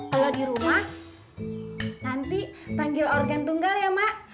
kalau di rumah nanti panggil organ tunggal ya mak